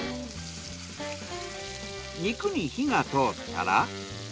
肉に火が通ったら。